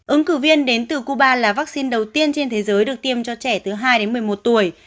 ứng cử viên đến từ cuba là vaccine đầu tiên trên thế giới được tiêm cho trẻ từ hai đến một mươi một tuổi